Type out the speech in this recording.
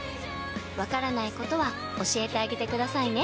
わからないことは教えてあげてくださいね。